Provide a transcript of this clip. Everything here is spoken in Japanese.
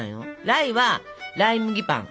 ライはライ麦パン！